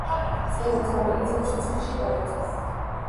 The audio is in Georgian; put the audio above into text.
წერა ცამეტი წლის ასაკში დაიწყო.